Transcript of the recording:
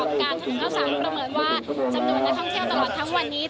ประเมินว่าจำนวนนักท่องเที่ยวตลอดทั้งวันนี้